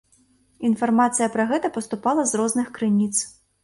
Інфармацыя пра гэта паступала з розных крыніц.